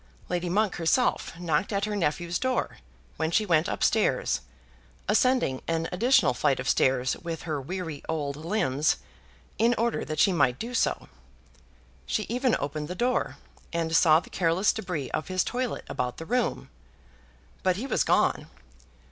Lady Monk herself knocked at her nephew's door, when she went up stairs, ascending an additional flight of stairs with her weary old limbs in order that she might do so; she even opened the door and saw the careless debris of his toilet about the room. But he was gone.